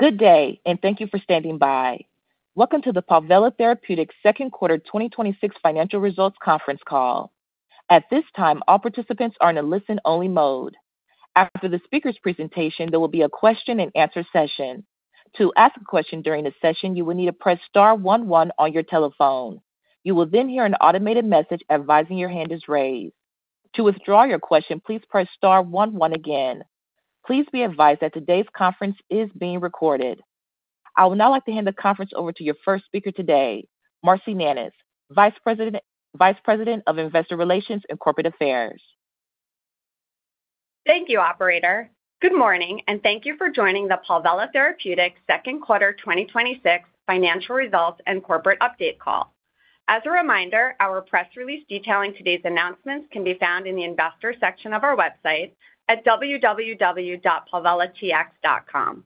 Good day, and thank you for standing by. Welcome to the Palvella Therapeutics second quarter 2026 financial results conference call. At this time, all participants are in a listen-only mode. After the speaker's presentation, there will be a question and answer session. To ask a question during the session, you will need to press star one one on your telephone. You will then hear an automated message advising your hand is raised. To withdraw your question, please press star one one again. Please be advised that today's conference is being recorded. I would now like to hand the conference over to your first speaker today, Marcy Nanus, Vice President of Investor Relations and Corporate Affairs. Thank you, operator. Good morning, and thank you for joining the Palvella Therapeutics second quarter 2026 financial results and corporate update call. As a reminder, our press release detailing today's announcements can be found in the investor section of our website at www.palvellatx.com.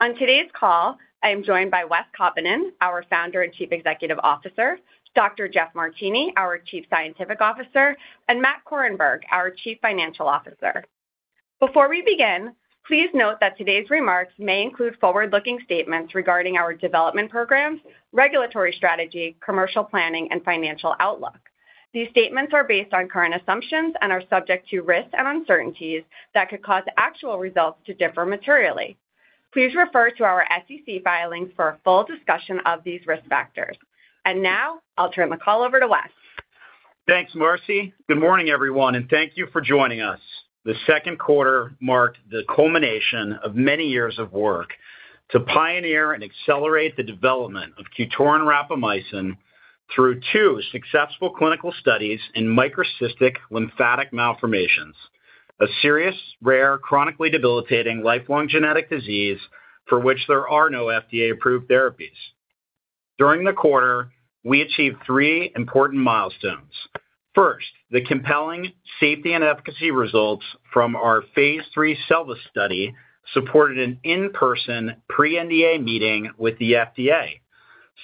On today's call, I am joined by Wes Kaupinen, our founder and Chief Executive Officer, Dr. Jeff Martini, our Chief Scientific Officer, and Matt Korenberg, our Chief Financial Officer. Before we begin, please note that today's remarks may include forward-looking statements regarding our development programs, regulatory strategy, commercial planning, and financial outlook. These statements are based on current assumptions and are subject to risks and uncertainties that could cause actual results to differ materially. Please refer to our SEC filings for a full discussion of these risk factors. Now, I'll turn the call over to Wes. Thanks, Marcy. Good morning, everyone, and thank you for joining us. The second quarter marked the culmination of many years of work to pioneer and accelerate the development of QTORIN rapamycin through two successful clinical studies in microcystic lymphatic malformations, a serious, rare, chronically debilitating lifelong genetic disease for which there are no FDA-approved therapies. During the quarter, we achieved three important milestones. First, the compelling safety and efficacy results from our phase III SELVA study supported an in-person pre-NDA meeting with the FDA.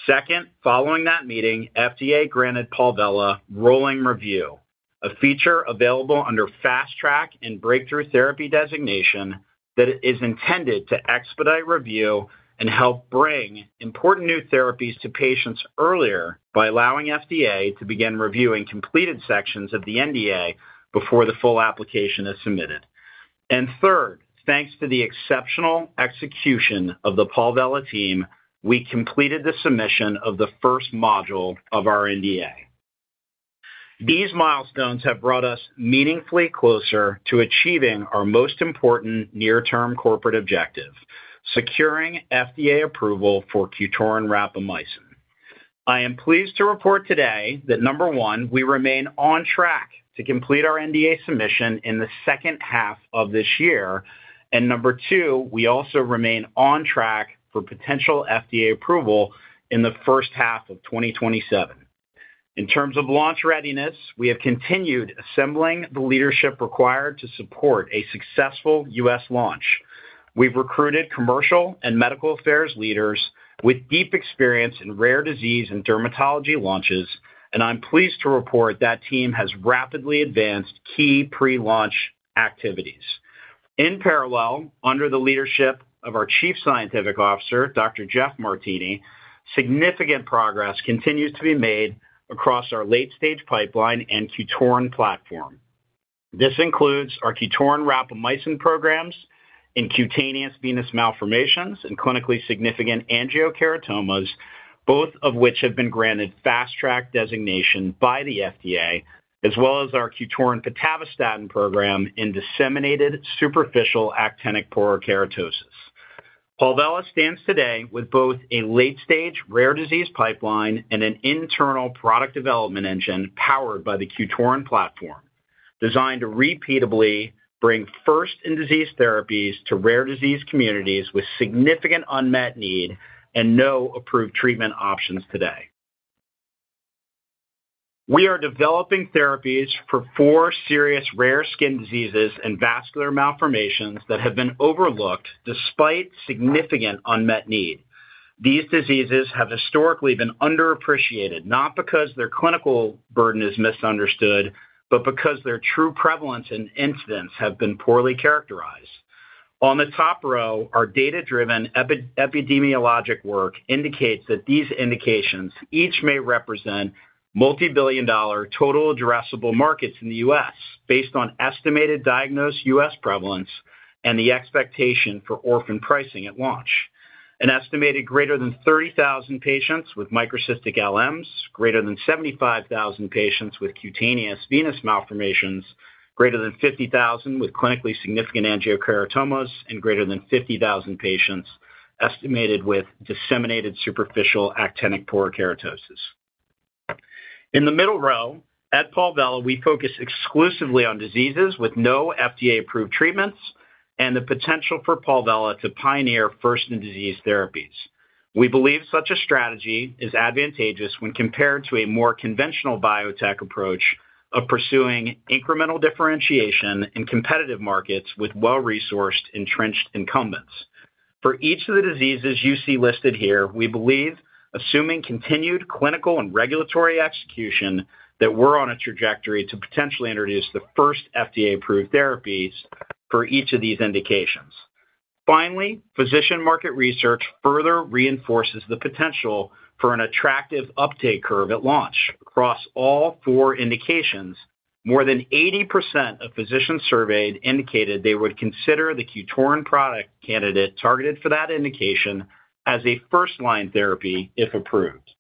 Second, following that meeting, FDA granted Palvella rolling review, a feature available under Fast Track Designation and Breakthrough Therapy Designation that is intended to expedite review and help bring important new therapies to patients earlier by allowing FDA to begin reviewing completed sections of the NDA before the full application is submitted. Third, thanks to the exceptional execution of the Palvella team, we completed the submission of the first module of our NDA. These milestones have brought us meaningfully closer to achieving our most important near-term corporate objective, securing FDA approval for QTORIN rapamycin. I am pleased to report today that, number one, we remain on track to complete our NDA submission in the second half of this year, and number two, we also remain on track for potential FDA approval in the first half of 2027. In terms of launch readiness, we have continued assembling the leadership required to support a successful U.S. launch. We've recruited commercial and medical affairs leaders with deep experience in rare disease and dermatology launches, and I'm pleased to report that team has rapidly advanced key pre-launch activities. In parallel, under the leadership of our Chief Scientific Officer, Dr. Jeff Martini, significant progress continues to be made across our late-stage pipeline and QTORIN platform. This includes our QTORIN rapamycin programs in cutaneous venous malformations and clinically significant angiokeratomas, both of which have been granted Fast Track Designation by the FDA, as well as our QTORIN pitavastatin program in disseminated superficial actinic porokeratosis. Palvella stands today with both a late-stage rare disease pipeline and an internal product development engine powered by the QTORIN platform, designed to repeatably bring first-in-disease therapies to rare disease communities with significant unmet need and no approved treatment options today. We are developing therapies for four serious rare skin diseases and vascular malformations that have been overlooked despite significant unmet need. These diseases have historically been underappreciated, not because their clinical burden is misunderstood, but because their true prevalence and incidence have been poorly characterized. On the top row, our data-driven epidemiologic work indicates that these indications each may represent multibillion-dollar total addressable markets in the U.S. based on estimated diagnosed U.S. prevalence and the expectation for orphan pricing at launch. An estimated greater than 30,000 patients with microcystic LMs, greater than 75,000 patients with cutaneous venous malformations, greater than 50,000 with clinically significant angiokeratomas, and greater than 50,000 patients estimated with disseminated superficial actinic porokeratosis. In the middle row, at Palvella, we focus exclusively on diseases with no FDA-approved treatments and the potential for Palvella to pioneer first-in-disease therapies. We believe such a strategy is advantageous when compared to a more conventional biotech approach of pursuing incremental differentiation in competitive markets with well-resourced, entrenched incumbents. For each of the diseases you see listed here, we believe, assuming continued clinical and regulatory execution, that we're on a trajectory to potentially introduce the first FDA-approved therapies for each of these indications. Finally, physician market research further reinforces the potential for an attractive uptake curve at launch. Across all four indications, more than 80% of physicians surveyed indicated they would consider the QTORIN product candidate targeted for that indication as a first-line therapy if approved.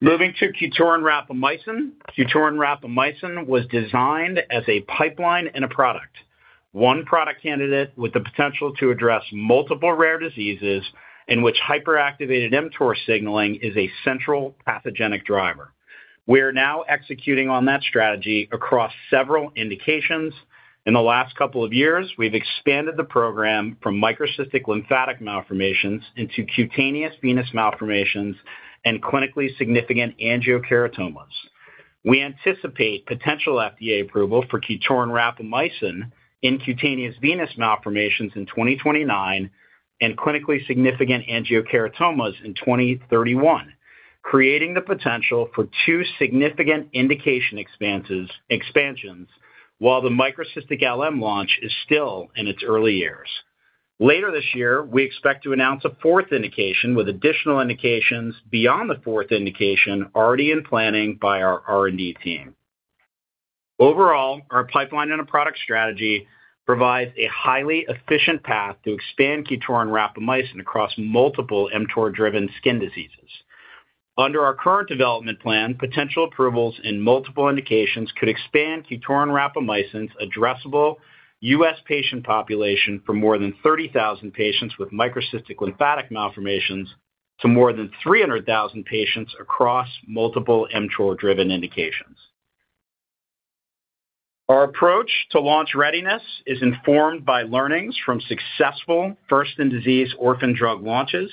Moving to QTORIN rapamycin. QTORIN rapamycin was designed as a pipeline and a product. One product candidate with the potential to address multiple rare diseases in which hyperactivated mTOR signaling is a central pathogenic driver. We are now executing on that strategy across several indications. In the last couple of years, we've expanded the program from microcystic lymphatic malformations into cutaneous venous malformations and clinically significant angiokeratomas. We anticipate potential FDA approval for QTORIN rapamycin in cutaneous venous malformations in 2029 and clinically significant angiokeratomas in 2031, creating the potential for two significant indication expansions, while the microcystic LM launch is still in its early years. Later this year, we expect to announce a fourth indication with additional indications beyond the fourth indication already in planning by our R&D team. Overall, our pipeline and a product strategy provides a highly efficient path to expand QTORIN rapamycin across multiple mTOR-driven skin diseases. Under our current development plan, potential approvals in multiple indications could expand QTORIN rapamycin's addressable U.S. patient population for more than 30,000 patients with microcystic lymphatic malformations to more than 300,000 patients across multiple mTOR-driven indications. Our approach to launch readiness is informed by learnings from successful first-in-disease orphan drug launches,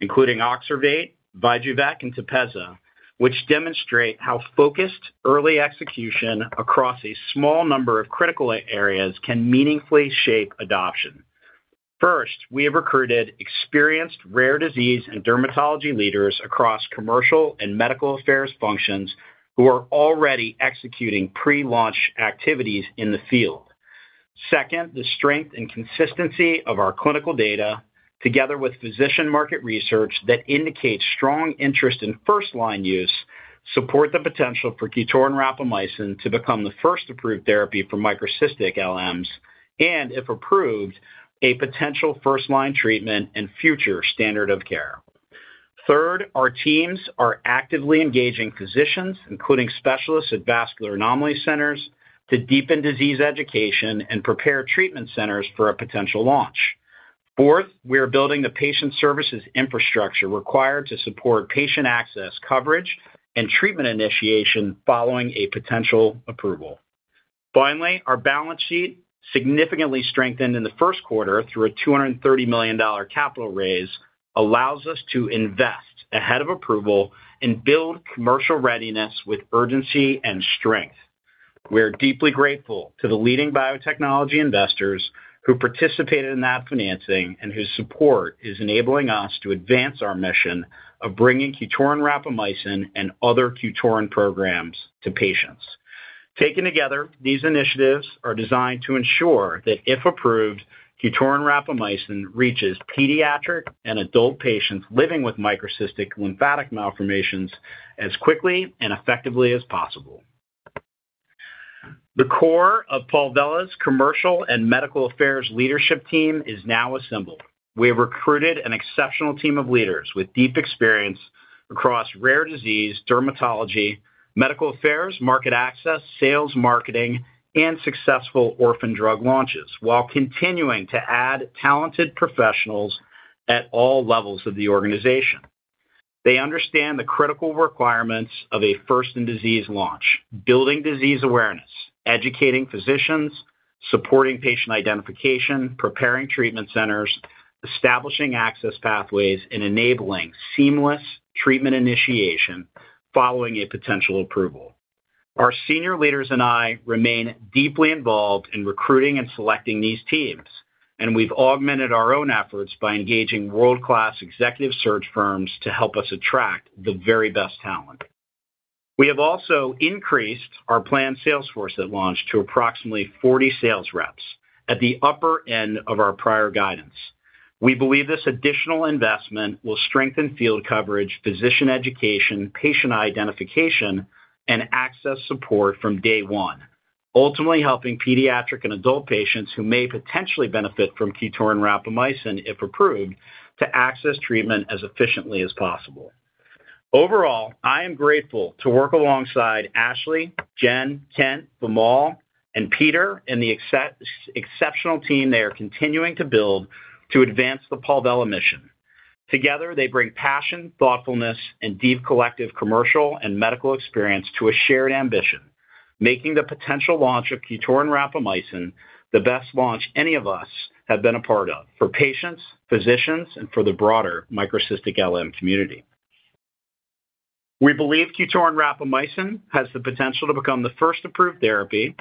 including OXERVATE, VYJUVEK, and TEPEZZA, which demonstrate how focused early execution across a small number of critical areas can meaningfully shape adoption. First, we have recruited experienced rare disease and dermatology leaders across commercial and medical affairs functions who are already executing pre-launch activities in the field. Second, the strength and consistency of our clinical data, together with physician market research that indicates strong interest in first-line use, support the potential for QTORIN rapamycin to become the first approved therapy for microcystic LMs, and if approved, a potential first-line treatment and future standard of care. Third, our teams are actively engaging physicians, including specialists at vascular anomaly centers, to deepen disease education and prepare treatment centers for a potential launch. Fourth, we are building the patient services infrastructure required to support patient access coverage and treatment initiation following a potential approval. Finally, our balance sheet significantly strengthened in the first quarter through a $230 million capital raise allows us to invest ahead of approval and build commercial readiness with urgency and strength. We are deeply grateful to the leading biotechnology investors who participated in that financing and whose support is enabling us to advance our mission of bringing QTORIN rapamycin and other QTORIN programs to patients. Taken together, these initiatives are designed to ensure that if approved, QTORIN rapamycin reaches pediatric and adult patients living with microcystic lymphatic malformations as quickly and effectively as possible. The core of Palvella's commercial and medical affairs leadership team is now assembled. We have recruited an exceptional team of leaders with deep experience across rare disease, dermatology, medical affairs, market access, sales, marketing, and successful orphan drug launches, while continuing to add talented professionals at all levels of the organization. They understand the critical requirements of a first-in-disease launch. Building disease awareness, educating physicians, supporting patient identification, preparing treatment centers, establishing access pathways, and enabling seamless treatment initiation following a potential approval. Our senior leaders and I remain deeply involved in recruiting and selecting these teams, and we've augmented our own efforts by engaging world-class executive search firms to help us attract the very best talent. We have also increased our planned sales force at launch to approximately 40 sales reps at the upper end of our prior guidance. We believe this additional investment will strengthen field coverage, physician education, patient identification, and access support from day one, ultimately helping pediatric and adult patients who may potentially benefit from QTORIN rapamycin, if approved, to access treatment as efficiently as possible. Overall, I am grateful to work alongside Ashley, Jen, Kent, Vimal, and Peter, and the exceptional team they are continuing to build to advance the Palvella mission. Together, they bring passion, thoughtfulness, and deep collective commercial and medical experience to a shared ambition. Making the potential launch of QTORIN rapamycin the best launch any of us have been a part of for patients, physicians, and for the broader microcystic LM community. We believe QTORIN rapamycin has the potential to become the first approved therapy,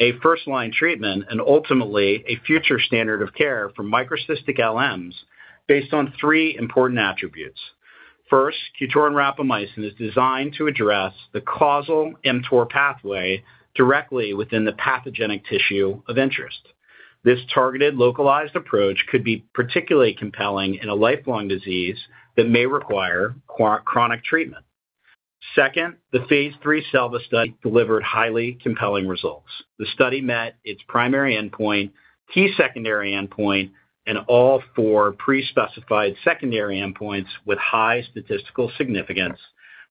a first-line treatment, and ultimately a future standard of care for microcystic LMs based on three important attributes. First, QTORIN rapamycin is designed to address the causal mTOR pathway directly within the pathogenic tissue of interest. This targeted localized approach could be particularly compelling in a lifelong disease that may require chronic treatment. Second, the phase III SELVA study delivered highly compelling results. The study met its primary endpoint, key secondary endpoint, and all four pre-specified secondary endpoints with high statistical significance,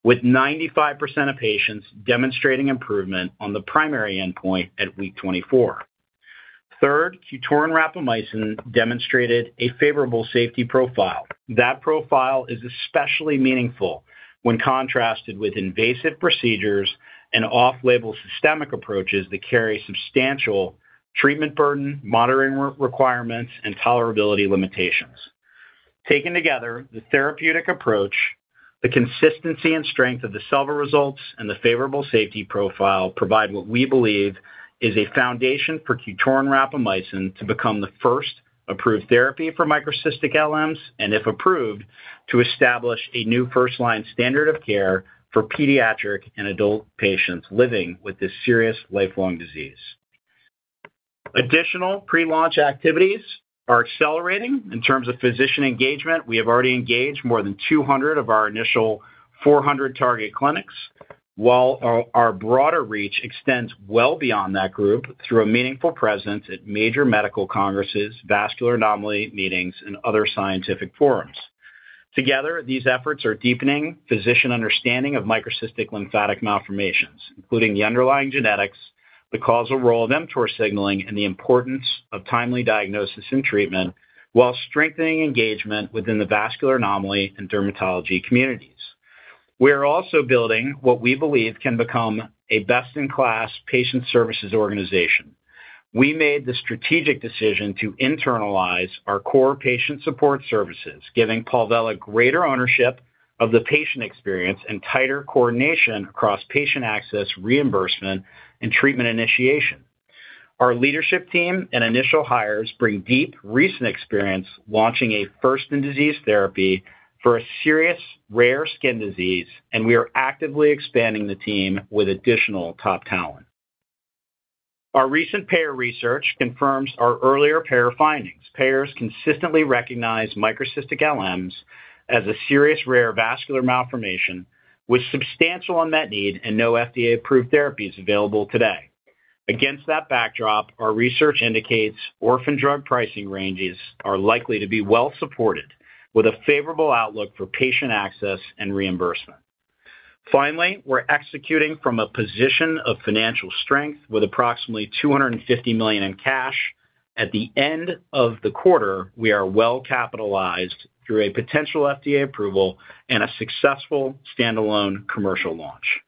with 95% of patients demonstrating improvement on the primary endpoint at week 24. Third, QTORIN rapamycin demonstrated a favorable safety profile. That profile is especially meaningful when contrasted with invasive procedures and off-label systemic approaches that carry substantial treatment burden, monitoring requirements, and tolerability limitations. Taken together, the therapeutic approach, the consistency and strength of the SELVA results, and the favorable safety profile provide what we believe is a foundation for QTORIN rapamycin to become the first approved therapy for microcystic lymphatic malformations, and if approved, to establish a new first-line standard of care for pediatric and adult patients living with this serious lifelong disease. Additional pre-launch activities are accelerating. In terms of physician engagement, we have already engaged more than 200 of our initial 400 target clinics, while our broader reach extends well beyond that group through a meaningful presence at major medical congresses, vascular anomaly meetings, and other scientific forums. Together, these efforts are deepening physician understanding of microcystic lymphatic malformations, including the underlying genetics, the causal role of mTOR signaling, and the importance of timely diagnosis and treatment, while strengthening engagement within the vascular anomaly and dermatology communities. We are also building what we believe can become a best-in-class patient services organization. We made the strategic decision to internalize our core patient support services, giving Palvella greater ownership of the patient experience and tighter coordination across patient access, reimbursement, and treatment initiation. Our leadership team and initial hires bring deep, recent experience launching a first-in-disease therapy for a serious rare skin disease, and we are actively expanding the team with additional top talent. Our recent payer research confirms our earlier payer findings. Payers consistently recognize microcystic lymphatic malformations as a serious rare vascular malformation with substantial unmet need and no FDA-approved therapies available today. Against that backdrop, our research indicates Orphan Drug pricing ranges are likely to be well supported with a favorable outlook for patient access and reimbursement. Finally, we're executing from a position of financial strength with approximately $250 million in cash. At the end of the quarter, we are well-capitalized through a potential FDA approval and a successful standalone commercial launch.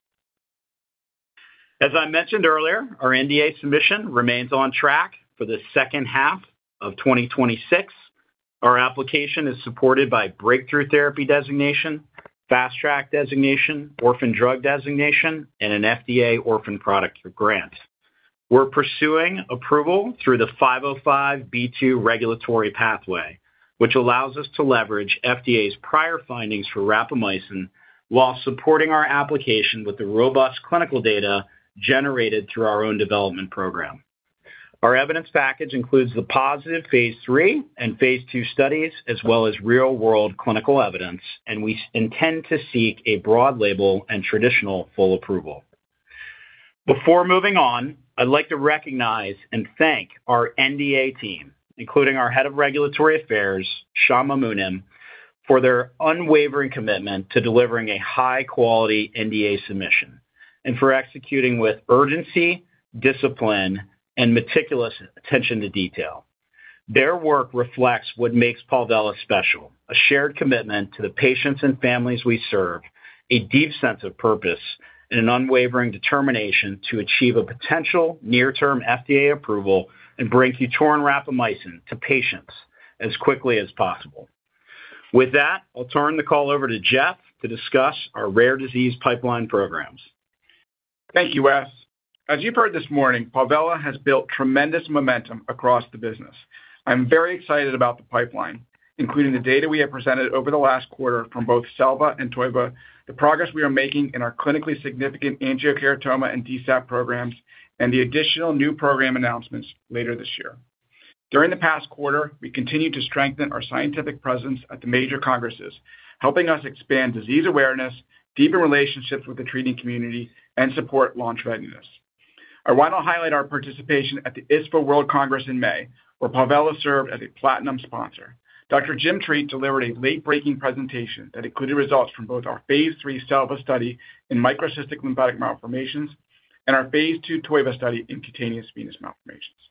As I mentioned earlier, our NDA submission remains on track for the second half of 2026. Our application is supported by Breakthrough Therapy Designation, Fast Track Designation, Orphan Drug Designation, and an FDA Orphan Product Grant. We're pursuing approval through the 505(b)(2) regulatory pathway, which allows us to leverage FDA's prior findings for rapamycin while supporting our application with the robust clinical data generated through our own development program. Our evidence package includes the positive phase III and phase II studies, as well as real-world clinical evidence, and we intend to seek a broad label and traditional full approval. Before moving on, I'd like to recognize and thank our NDA team, including our Head of Regulatory Affairs, Shama Munim, for their unwavering commitment to delivering a high-quality NDA submission and for executing with urgency, discipline, and meticulous attention to detail. Their work reflects what makes Palvella special, a shared commitment to the patients and families we serve, a deep sense of purpose, and an unwavering determination to achieve a potential near-term FDA approval and bring QTORIN rapamycin to patients as quickly as possible. With that, I'll turn the call over to Jeff to discuss our rare disease pipeline programs. Thank you, Wes. As you've heard this morning, Palvella has built tremendous momentum across the business. I'm very excited about the pipeline, including the data we have presented over the last quarter from both SELVA and TOIVA, the progress we are making in our clinically significant angiokeratomas and DSAP programs, and the additional new program announcements later this year. During the past quarter, we continued to strengthen our scientific presence at the major congresses, helping us expand disease awareness, deepen relationships with the treating community, and support launch readiness. I want to highlight our participation at the ISPOR World Congress in May, where Palvella served as a platinum sponsor. Dr. Jim Treat delivered a late-breaking presentation that included results from both our phase III SELVA study in microcystic lymphatic malformations and our phase II TOIVA study in cutaneous venous malformations.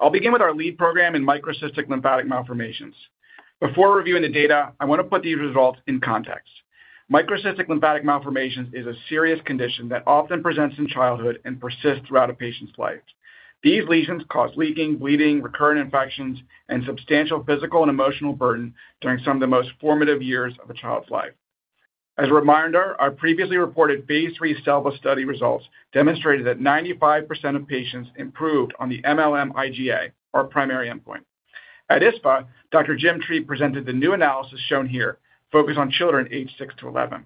I'll begin with our lead program in microcystic lymphatic malformations. Before reviewing the data, I want to put these results in context. Microcystic lymphatic malformations is a serious condition that often presents in childhood and persists throughout a patient's life. These lesions cause leaking, bleeding, recurrent infections, and substantial physical and emotional burden during some of the most formative years of a child's life. As a reminder, our previously reported phase III SELVA study results demonstrated that 95% of patients improved on the mLM IGA, our primary endpoint. At ISPOR, Dr. Jim Treat presented the new analysis shown here, focused on children aged six to 11.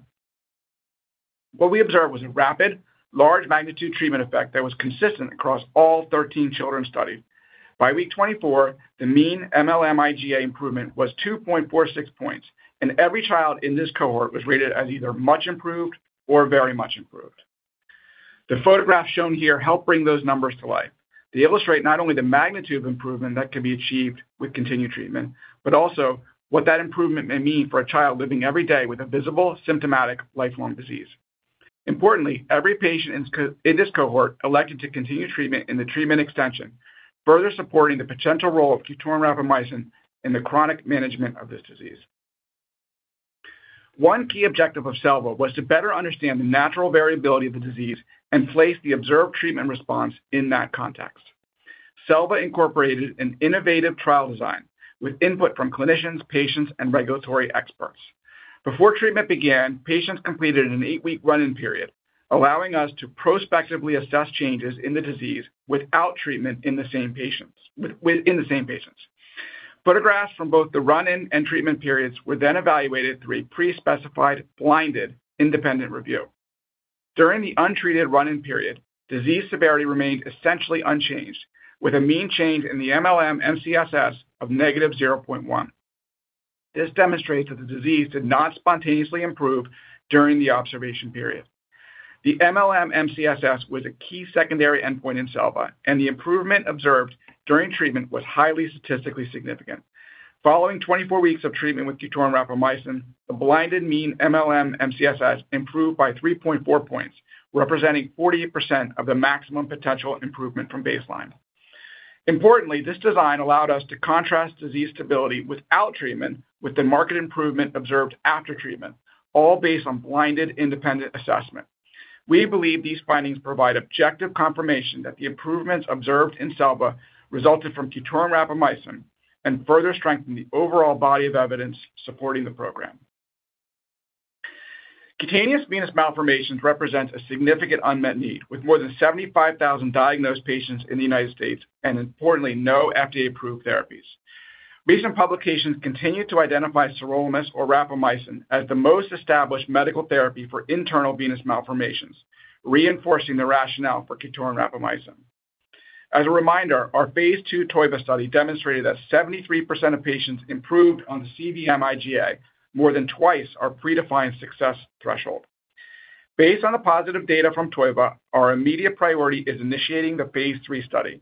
What we observed was a rapid, large magnitude treatment effect that was consistent across all 13 children studied. By week 24, the mean mLM IGA improvement was 2.46 points, and every child in this cohort was rated as either much improved or very much improved. The photographs shown here help bring those numbers to life. They illustrate not only the magnitude of improvement that can be achieved with continued treatment, but also what that improvement may mean for a child living every day with a visible, symptomatic, lifelong disease. Importantly, every patient in this cohort elected to continue treatment in the treatment extension, further supporting the potential role of QTORIN rapamycin in the chronic management of this disease. One key objective of SELVA was to better understand the natural variability of the disease and place the observed treatment response in that context. SELVA incorporated an innovative trial design with input from clinicians, patients, and regulatory experts. Before treatment began, patients completed an eight-week run-in period, allowing us to prospectively assess changes in the disease without treatment in the same patients. Photographs from both the run-in and treatment periods were then evaluated through a pre-specified blinded independent review. During the untreated run-in period, disease severity remained essentially unchanged, with a mean change in the mLM-MCSS of -0.1. This demonstrates that the disease did not spontaneously improve during the observation period. The mLM-MCSS was a key secondary endpoint in SELVA, and the improvement observed during treatment was highly statistically significant. Following 24 weeks of treatment with QTORIN rapamycin, the blinded mean mLM-MCSS improved by 3.4 points, representing 48% of the maximum potential improvement from baseline. Importantly, this design allowed us to contrast disease stability without treatment with the marked improvement observed after treatment, all based on blinded independent assessment. We believe these findings provide objective confirmation that the improvements observed in SELVA resulted from QTORIN rapamycin and further strengthen the overall body of evidence supporting the program. Cutaneous venous malformations represent a significant unmet need, with more than 75,000 diagnosed patients in the U.S. and importantly, no FDA-approved therapies. Recent publications continue to identify sirolimus or rapamycin as the most established medical therapy for internal venous malformations, reinforcing the rationale for QTORIN rapamycin. As a reminder, our phase II TOIVA study demonstrated that 73% of patients improved on the cVM-IGA, more than twice our predefined success threshold. Based on the positive data from TOIVA, our immediate priority is initiating the phase III study.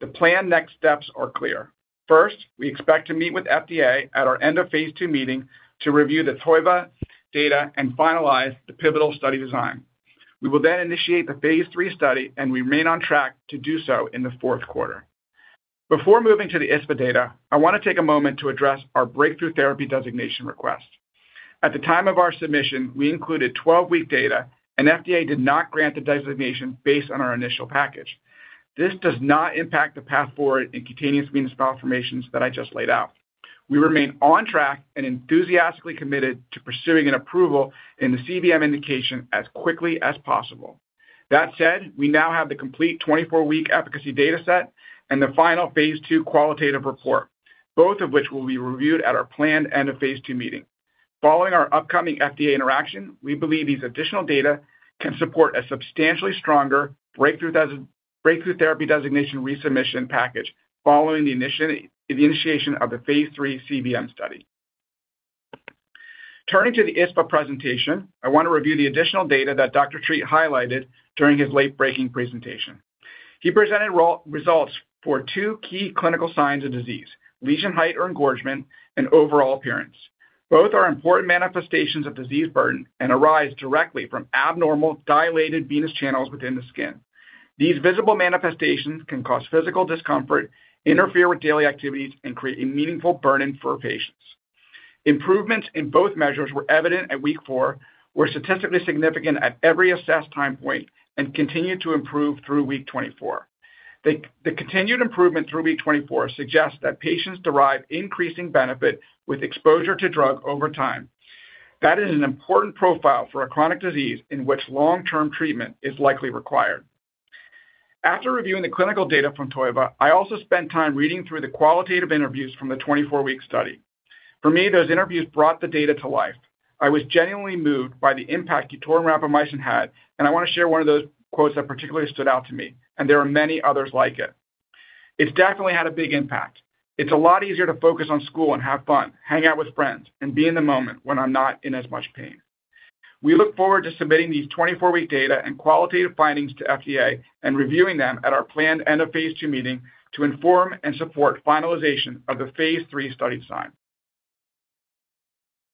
The planned next steps are clear. First, we expect to meet with FDA at our end of phase II meeting to review the TOIVA data and finalize the pivotal study design. We will initiate the phase III study, and we remain on track to do so in the fourth quarter. Before moving to the ISSVA data, I want to take a moment to address our Breakthrough Therapy Designation request. At the time of our submission, we included 12-week data, and FDA did not grant the designation based on our initial package. This does not impact the path forward in cutaneous venous malformations that I just laid out. We remain on track and enthusiastically committed to pursuing an approval in the cVM indication as quickly as possible. That said, we now have the complete 24-week efficacy data set and the final phase II qualitative report, both of which will be reviewed at our planned end of Phase II meeting. Following our upcoming FDA interaction, we believe these additional data can support a substantially stronger Breakthrough Therapy Designation resubmission package following the initiation of the phase III cVM study. Turning to the ISSVA presentation, I want to review the additional data that Dr. Treat highlighted during his late-breaking presentation. He presented results for two key clinical signs of disease, lesion height or engorgement, and overall appearance. Both are important manifestations of disease burden and arise directly from abnormal dilated venous channels within the skin. These visible manifestations can cause physical discomfort, interfere with daily activities, and create a meaningful burden for patients. Improvements in both measures were evident at week four, were statistically significant at every assessed time point, and continued to improve through week 24. The continued improvement through week 24 suggests that patients derive increasing benefit with exposure to drug over time. That is an important profile for a chronic disease in which long-term treatment is likely required. After reviewing the clinical data from TOIVA, I also spent time reading through the qualitative interviews from the 24-week study. For me, those interviews brought the data to life. I was genuinely moved by the impact QTORIN rapamycin had, and I want to share one of those quotes that particularly stood out to me, and there are many others like it. "It's definitely had a big impact. It's a lot easier to focus on school and have fun, hang out with friends, and be in the moment when I'm not in as much pain." We look forward to submitting these 24-week data and qualitative findings to FDA and reviewing them at our planned end of phase II meeting to inform and support finalization of the phase III study design.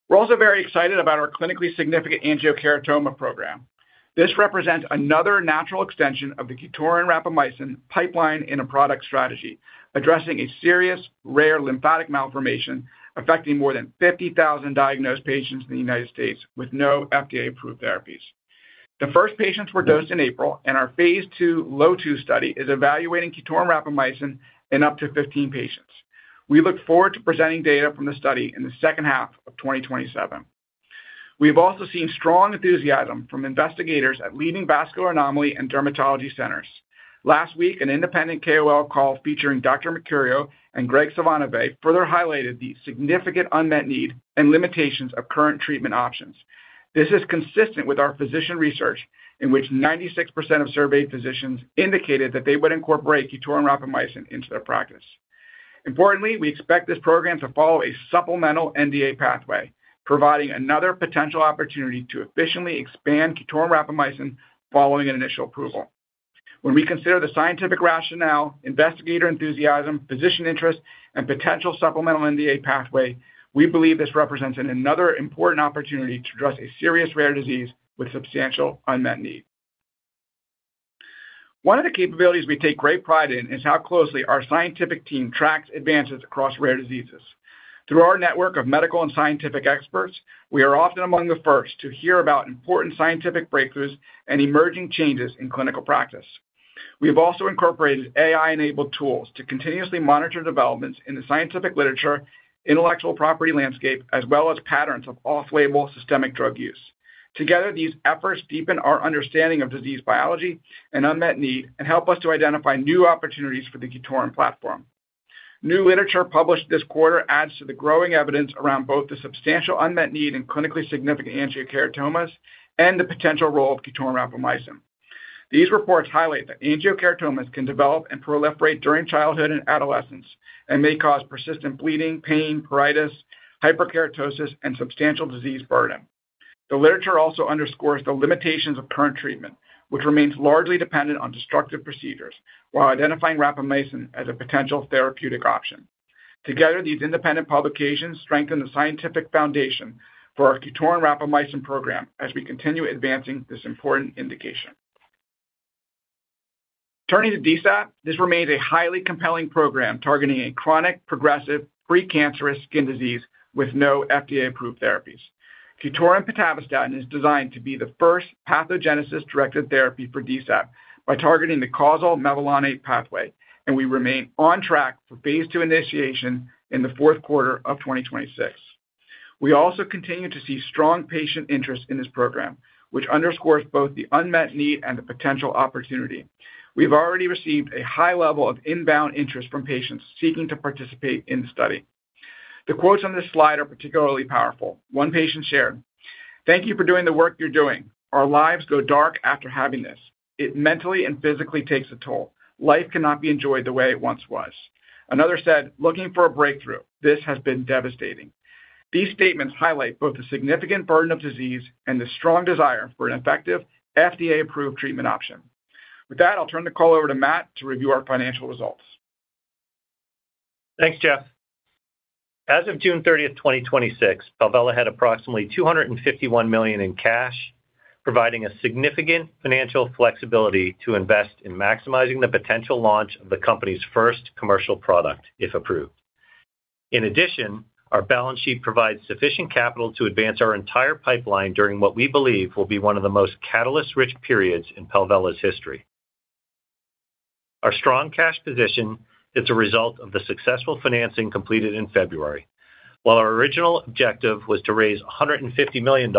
We're also very excited about our clinically significant angiokeratoma program. This represents another natural extension of the QTORIN rapamycin pipeline in a product strategy addressing a serious rare lymphatic malformation affecting more than 50,000 diagnosed patients in the United States with no FDA-approved therapies. The first patients were dosed in April, and our phase II LOTU study is evaluating QTORIN rapamycin in up to 15 patients. We look forward to presenting data from the study in the second half of 2027. We've also seen strong enthusiasm from investigators at leading vascular anomaly and dermatology centers. Last week, an independent KOL call featuring Dr. Mary and Greg Levitin further highlighted the significant unmet need and limitations of current treatment options. This is consistent with our physician research, in which 96% of surveyed physicians indicated that they would incorporate QTORIN rapamycin into their practice. Importantly, we expect this program to follow a supplemental NDA pathway, providing another potential opportunity to efficiently expand QTORIN rapamycin following an initial approval. When we consider the scientific rationale, investigator enthusiasm, physician interest, and potential supplemental NDA pathway, we believe this represents another important opportunity to address a serious rare disease with substantial unmet need. One of the capabilities we take great pride in is how closely our scientific team tracks advances across rare diseases. Through our network of medical and scientific experts, we are often among the first to hear about important scientific breakthroughs and emerging changes in clinical practice. We have also incorporated AI-enabled tools to continuously monitor developments in the scientific literature, intellectual property landscape, as well as patterns of off-label systemic drug use. Together, these efforts deepen our understanding of disease biology and unmet need and help us to identify new opportunities for the QTORIN platform. New literature published this quarter adds to the growing evidence around both the substantial unmet need in clinically significant angiokeratomas and the potential role of QTORIN rapamycin. These reports highlight that angiokeratomas can develop and proliferate during childhood and adolescence and may cause persistent bleeding, pain, pruritus, hyperkeratosis, and substantial disease burden. The literature also underscores the limitations of current treatment, which remains largely dependent on destructive procedures, while identifying rapamycin as a potential therapeutic option. Together, these independent publications strengthen the scientific foundation for our QTORIN rapamycin program as we continue advancing this important indication. Turning to DSAP, this remains a highly compelling program targeting a chronic, progressive, precancerous skin disease with no FDA-approved therapies. QTORIN pitavastatin is designed to be the first pathogenesis-directed therapy for DSAP by targeting the causal mevalonate pathway. We remain on track for phase II initiation in the fourth quarter of 2026. We also continue to see strong patient interest in this program, which underscores both the unmet need and the potential opportunity. We've already received a high level of inbound interest from patients seeking to participate in the study. The quotes on this slide are particularly powerful. One patient shared, "Thank you for doing the work you're doing. Our lives go dark after having this. It mentally and physically takes a toll. Life cannot be enjoyed the way it once was." Another said, "Looking for a breakthrough. This has been devastating." These statements highlight both the significant burden of disease and the strong desire for an effective FDA-approved treatment option. With that, I'll turn the call over to Matt to review our financial results. Thanks, Jeff. As of June 30th, 2026, Palvella had approximately $251 million in cash, providing significant financial flexibility to invest in maximizing the potential launch of the company's first commercial product, if approved. In addition, our balance sheet provides sufficient capital to advance our entire pipeline during what we believe will be one of the most catalyst-rich periods in Palvella's history. Our strong cash position is a result of the successful financing completed in February. While our original objective was to raise $150 million,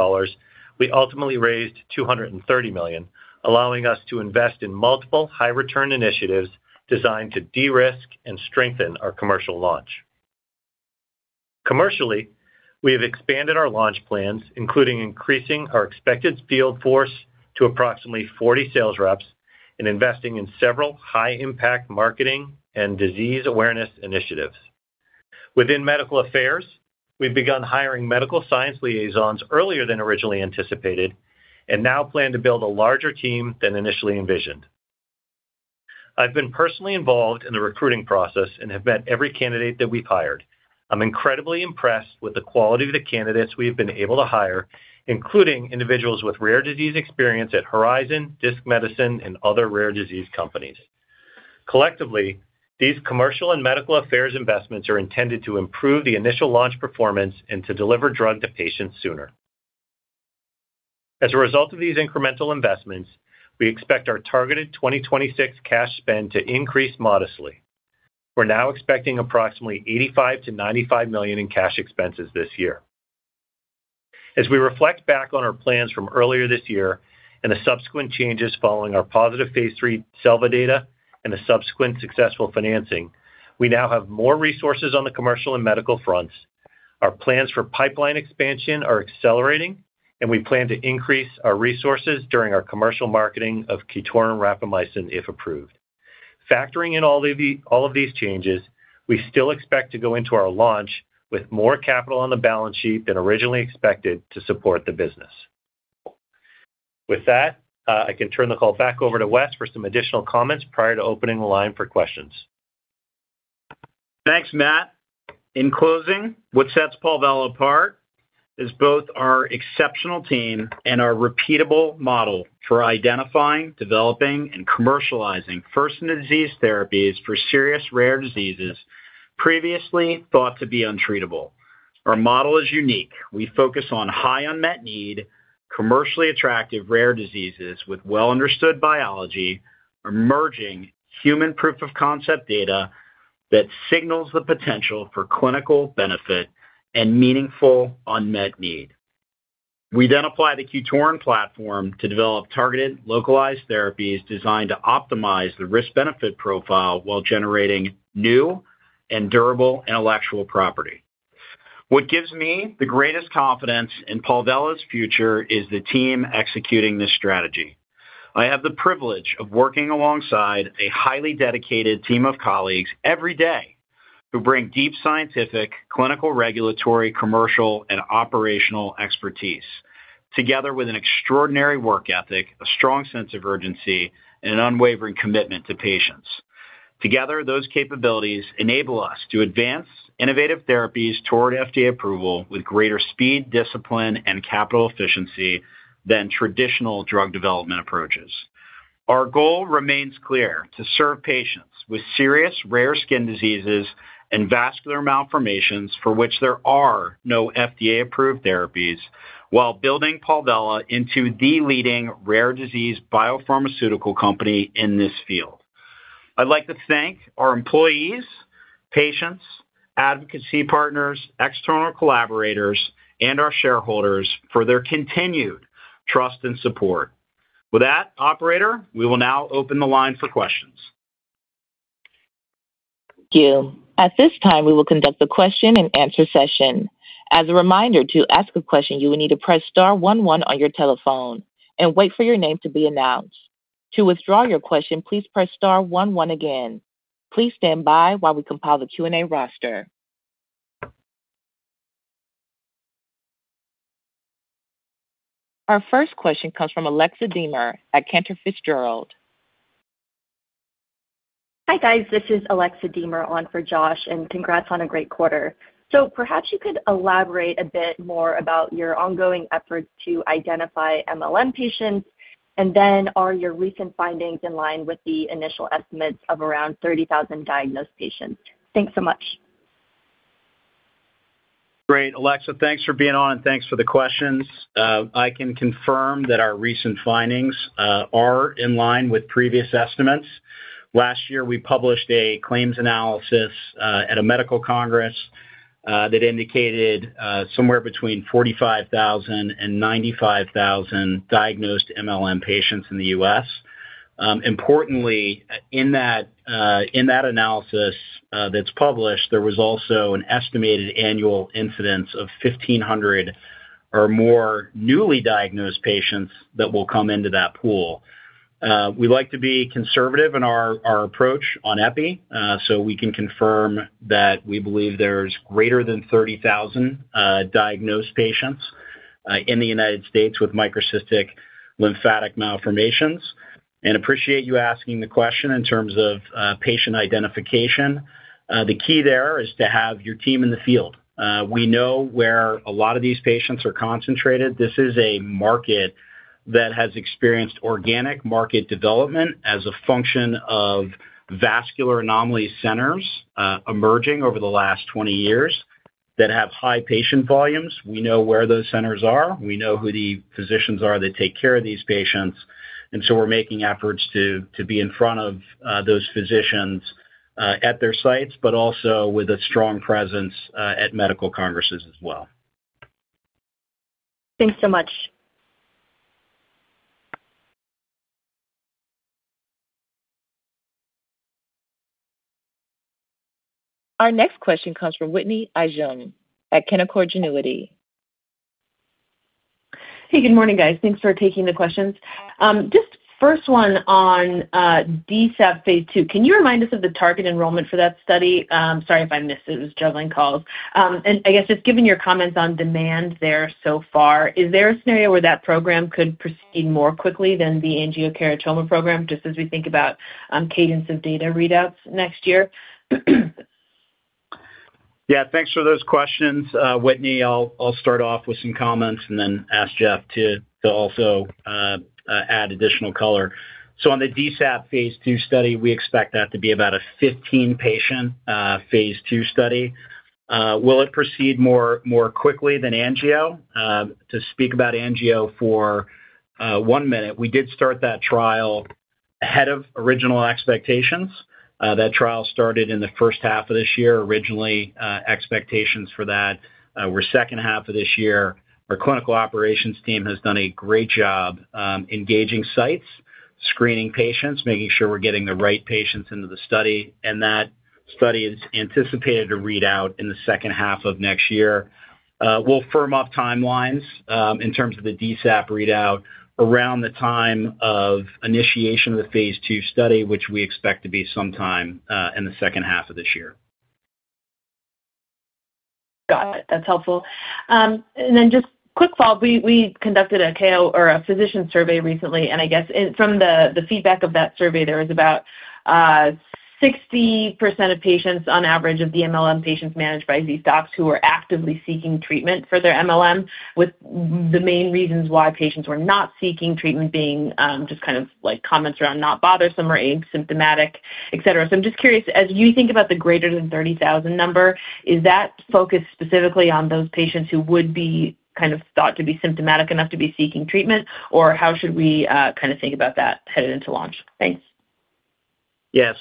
we ultimately raised $230 million, allowing us to invest in multiple high-return initiatives designed to de-risk and strengthen our commercial launch. Commercially, we have expanded our launch plans, including increasing our expected field force to approximately 40 sales reps and investing in several high-impact marketing and disease awareness initiatives. Within medical affairs, we've begun hiring medical science liaisons earlier than originally anticipated and now plan to build a larger team than initially envisioned. I've been personally involved in the recruiting process and have met every candidate that we've hired. I'm incredibly impressed with the quality of the candidates we've been able to hire, including individuals with rare disease experience at Horizon, Disc Medicine, and other rare disease companies. Collectively, these commercial and medical affairs investments are intended to improve the initial launch performance and to deliver drug to patients sooner. As a result of these incremental investments, we expect our targeted 2026 cash spend to increase modestly. We're now expecting approximately $85 million-$95 million in cash expenses this year. As we reflect back on our plans from earlier this year and the subsequent changes following our positive phase III SELVA data and the subsequent successful financing, we now have more resources on the commercial and medical fronts. Our plans for pipeline expansion are accelerating, and we plan to increase our resources during our commercial marketing of QTORIN rapamycin, if approved. Factoring in all of these changes, we still expect to go into our launch with more capital on the balance sheet than originally expected to support the business. With that, I can turn the call back over to Wes for some additional comments prior to opening the line for questions. Thanks, Matt. In closing, what sets Palvella apart is both our exceptional team and our repeatable model for identifying, developing, and commercializing first-in-the-disease therapies for serious rare diseases previously thought to be untreatable. Our model is unique. We focus on high unmet need, commercially attractive rare diseases with well-understood biology, emerging human proof-of-concept data that signals the potential for clinical benefit and meaningful unmet need. We then apply the QTORIN platform to develop targeted, localized therapies designed to optimize the risk-benefit profile while generating new and durable intellectual property. What gives me the greatest confidence in Palvella's future is the team executing this strategy. I have the privilege of working alongside a highly dedicated team of colleagues every day who bring deep scientific, clinical, regulatory, commercial, and operational expertise together with an extraordinary work ethic, a strong sense of urgency, and an unwavering commitment to patients. Together, those capabilities enable us to advance innovative therapies toward FDA approval with greater speed, discipline, and capital efficiency than traditional drug development approaches. Our goal remains clear: to serve patients with serious rare skin diseases and vascular malformations for which there are no FDA-approved therapies, while building Palvella into the leading rare disease biopharmaceutical company in this field. I'd like to thank our employees, patients, advocacy partners, external collaborators, and our shareholders for their continued trust and support. With that, operator, we will now open the line for questions. Thank you. At this time, we will conduct a question and answer session. As a reminder, to ask a question, you will need to press star one one on your telephone and wait for your name to be announced. To withdraw your question, please press star one one again. Please stand by while we compile the Q&A roster. Our first question comes from Alexa Deemer at Cantor Fitzgerald. Hi, guys. This is Alexa Deemer on for Josh. Congrats on a great quarter. Perhaps you could elaborate a bit more about your ongoing efforts to identify mLM patients. Are your recent findings in line with the initial estimates of around 30,000 diagnosed patients? Thanks so much. Great, Alexa. Thanks for being on. Thanks for the questions. I can confirm that our recent findings are in line with previous estimates. Last year, we published a claims analysis at a medical congress that indicated somewhere between 45,000-95,000 diagnosed mLM patients in the U.S. Importantly, in that analysis that's published, there was also an estimated annual incidence of 1,500 or more newly diagnosed patients that will come into that pool. We like to be conservative in our approach on epi. We can confirm that we believe there's greater than 30,000 diagnosed patients in the United States with microcystic lymphatic malformations. Appreciate you asking the question in terms of patient identification. The key there is to have your team in the field. We know where a lot of these patients are concentrated. This is a market that has experienced organic market development as a function of vascular anomaly centers emerging over the last 20 years that have high patient volumes. We know where those centers are. We know who the physicians are that take care of these patients. We're making efforts to be in front of those physicians at their sites, also with a strong presence at medical congresses as well. Thanks so much. Our next question comes from Whitney Ijem at Canaccord Genuity. Hey, good morning, guys. Thanks for taking the questions. Just first one on DSAP phase II. Can you remind us of the target enrollment for that study? Sorry if I missed it, was juggling calls. I guess just given your comments on demand there so far, is there a scenario where that program could proceed more quickly than the angiokeratoma program, just as we think about cadence of data readouts next year? Yeah. Thanks for those questions. Whitney, I'll start off with some comments and then ask Jeff to also add additional color. On the DSAP phase II study, we expect that to be about a 15-patient phase II study. Will it proceed more quickly than angio? To speak about angio for one minute, we did start that trial ahead of original expectations. That trial started in the first half of this year. Originally, expectations for that were second half of this year. Our clinical operations team has done a great job engaging sites, screening patients, making sure we're getting the right patients into the study, and that study is anticipated to read out in the second half of next year. We'll firm up timelines in terms of the DSAP readout around the time of initiation of the phase II study, which we expect to be sometime in the second half of this year. Got it. That's helpful. Then just quick follow-up. We conducted a physician survey recently, and I guess from the feedback of that survey, there was about 60% of patients on average of the mLM patients managed by these docs who were actively seeking treatment for their mLM, with the main reasons why patients were not seeking treatment being just kind of comments around not bothersome or asymptomatic, etc. I'm just curious, as you think about the greater than 30,000 number, is that focused specifically on those patients who would be thought to be symptomatic enough to be seeking treatment? Or how should we think about that headed into launch? Thanks. Yeah.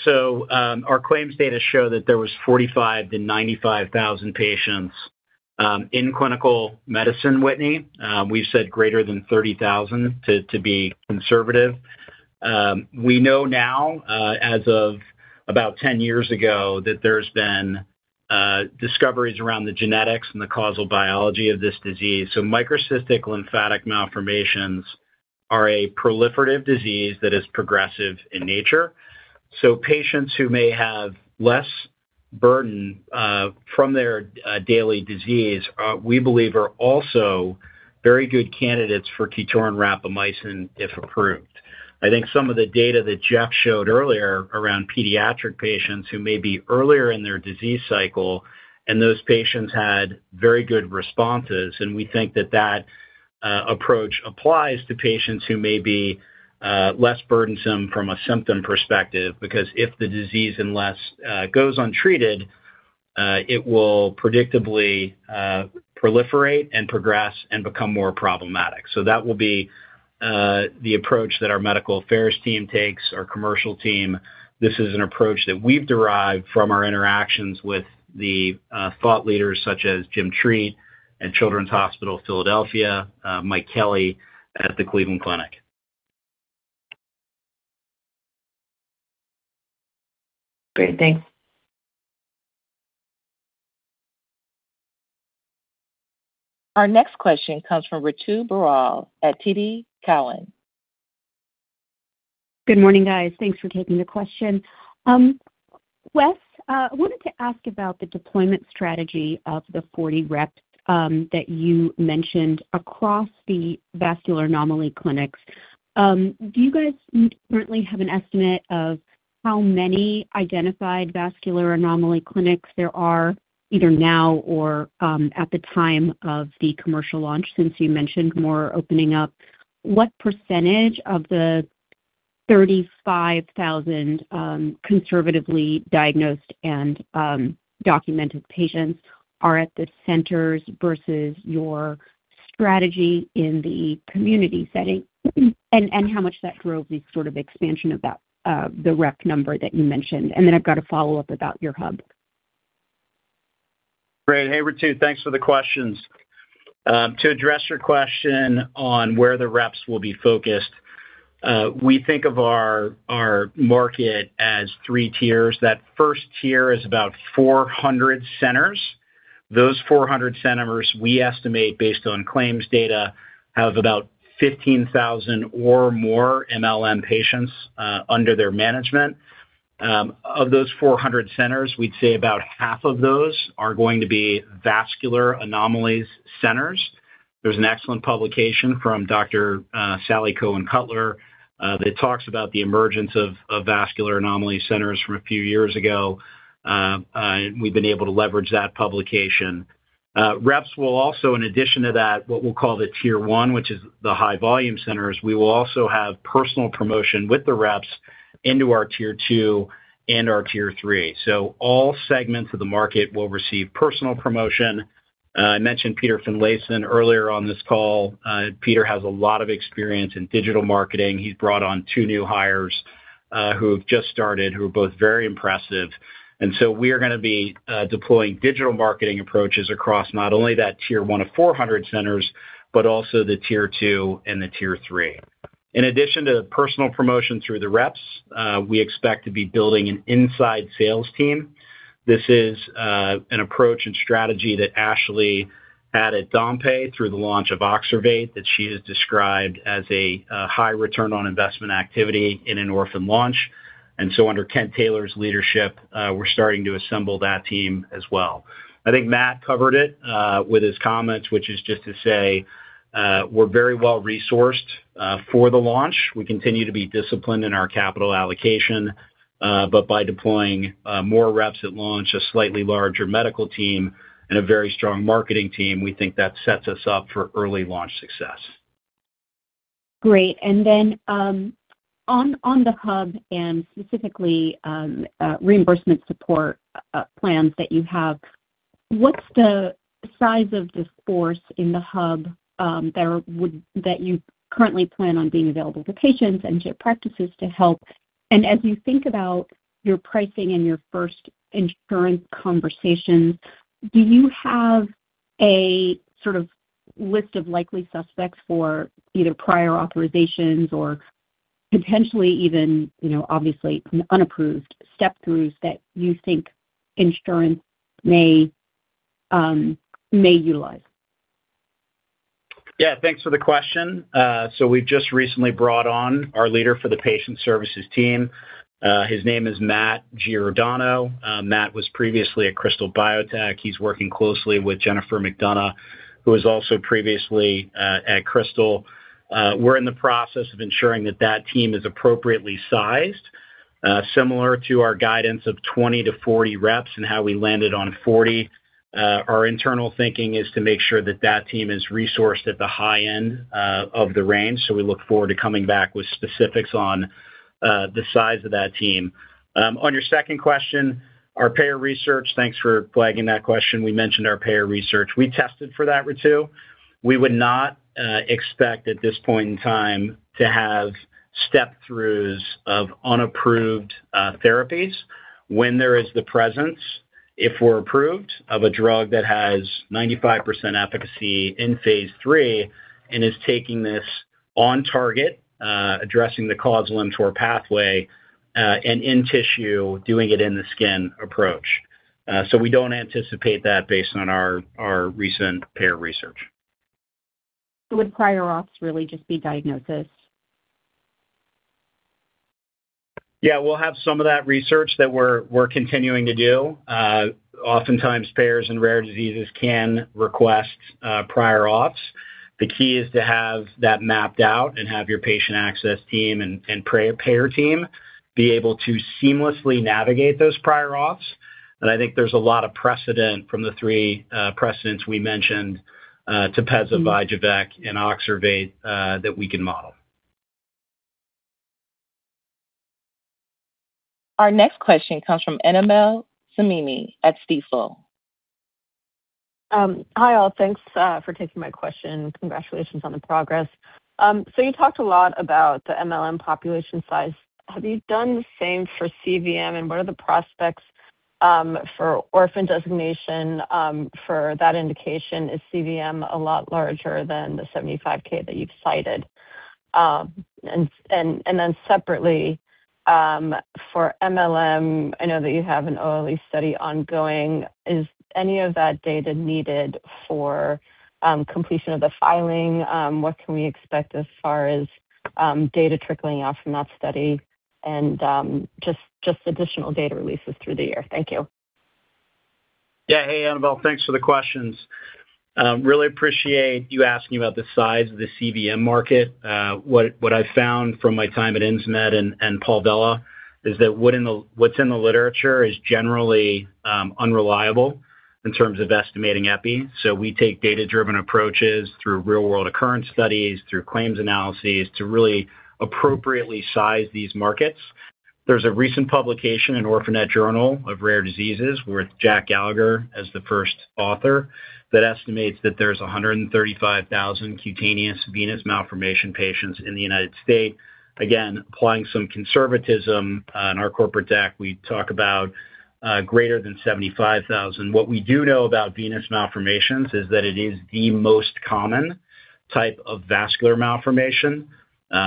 Our claims data show that there was 45,000 to 95,000 patients in clinical medicine, Whitney. We've said greater than 30,000 to be conservative. We know now, as of about 10 years ago, that there's been discoveries around the genetics and the causal biology of this disease. Microcystic lymphatic malformations are a proliferative disease that is progressive in nature. Patients who may have less burden from their daily disease, we believe are also very good candidates for QTORIN rapamycin, if approved. I think some of the data that Jeff showed earlier around pediatric patients who may be earlier in their disease cycle, and those patients had very good responses, and we think that that approach applies to patients who may be less burdensome from a symptom perspective. Because if the disease goes untreated, it will predictably proliferate and progress and become more problematic. That will be the approach that our medical affairs team takes, our commercial team. This is an approach that we've derived from our interactions with the thought leaders such as Jim Treat at Children's Hospital Philadelphia, Mike Kelly at the Cleveland Clinic. Great. Thanks. Our next question comes from Ritu Baral at TD Cowen. Good morning, guys. Thanks for taking the question. Wes, I wanted to ask about the deployment strategy of the 40 reps that you mentioned across the vascular anomaly clinics. Do you guys currently have an estimate of how many identified vascular anomaly clinics there are either now or at the time of the commercial launch, since you mentioned more opening up? What percentage of the 35,000 conservatively diagnosed and documented patients are at the centers versus your strategy in the community setting? How much that drove the expansion of the rep number that you mentioned. I've got a follow-up about your hub. Great. Hey, Ritu. Thanks for the questions. To address your question on where the reps will be focused, we think of our market as three tiers. That first tier is about 400 centers. Those 400 centers, we estimate based on claims data, have about 15,000 or more mLM patients under their management. Of those 400 centers, we'd say about half of those are going to be vascular anomalies centers. There's an excellent publication from Dr. Sallie Cohen-Cutler that talks about the emergence of vascular anomaly centers from a few years ago. We've been able to leverage that publication. Reps will also, in addition to that, what we'll call the tier one, which is the high volume centers, we will also have personal promotion with the reps into our tier two and our tier three. All segments of the market will receive personal promotion. I mentioned Peter Finlayson earlier on this call. Peter has a lot of experience in digital marketing. He's brought on two new hires who have just started, who are both very impressive. We are going to be deploying digital marketing approaches across not only that tier one of 400 centers, but also the tier two and the tier three. In addition to personal promotion through the reps, we expect to be building an inside sales team. This is an approach and strategy that Ashley had at Dompé through the launch of OXERVATE that she has described as a high return on investment activity in an orphan launch. Under Kent Taylor's leadership, we're starting to assemble that team as well. I think Matt covered it with his comments, which is just to say we're very well-resourced for the launch. We continue to be disciplined in our capital allocation. By deploying more reps at launch, a slightly larger medical team, and a very strong marketing team, we think that sets us up for early launch success. Great. Then on the hub and specifically reimbursement support plans that you have, what's the size of this force in the hub that you currently plan on being available to patients and to practices to help? As you think about your pricing and your first insurance conversations, do you have a sort of list of likely suspects for either prior authorizations or potentially even obviously unapproved step-throughs that you think insurance may utilize? Yeah. Thanks for the question. We've just recently brought on our leader for the patient services team. His name is Matt Giordano. Matt was previously at Krystal Biotech. He's working closely with Jennifer McDonough, who was also previously at Krystal. We're in the process of ensuring that that team is appropriately sized. Similar to our guidance of 20-40 reps and how we landed on 40, our internal thinking is to make sure that that team is resourced at the high end of the range. We look forward to coming back with specifics on the size of that team. On your second question, our payer research, thanks for flagging that question. We mentioned our payer research. We tested for that, Ritu. We would not expect at this point in time to have step-throughs of unapproved therapies. When there is the presence, if we're approved, of a drug that has 95% efficacy in phase III and is taking this on target, addressing the causal mTOR pathway, and in tissue, doing it in the skin approach. We don't anticipate that based on our recent payer research. Would prior auths really just be diagnosis? Yeah, we'll have some of that research that we're continuing to do. Oftentimes, payers in rare diseases can request prior auths. The key is to have that mapped out and have your patient access team and payer team be able to seamlessly navigate those prior auths. I think there's a lot of precedent from the three precedents we mentioned, TEPEZZA, VYJUVEK, and OXERVATE, that we can model. Our next question comes from Annabel Samimy at Stifel. Hi, all. Thanks for taking my question. Congratulations on the progress. You talked a lot about the mLM population size. Have you done the same for cVM, and what are the prospects for orphan designation for that indication? Is cVM a lot larger than the 75,000 that you've cited? Separately, for mLM, I know that you have an OLE study ongoing. Is any of that data needed for completion of the filing? What can we expect as far as data trickling out from that study and just additional data releases through the year? Thank you. Yeah. Hey, Annabel. Thanks for the questions. Really appreciate you asking about the size of the cVM market. What I've found from my time at Insmed and Palvella is that what's in the literature is generally unreliable in terms of estimating epi, so we take data-driven approaches through real-world occurrence studies, through claims analyses to really appropriately size these markets. There's a recent publication in Orphanet Journal of Rare Diseases with Jack Gallagher as the first author that estimates that there's 135,000 cutaneous venous malformation patients in the United State. Again, applying some conservatism. On our corporate deck, we talk about greater than 75,000. What we do know about venous malformations is that it is the most common type of vascular malformation.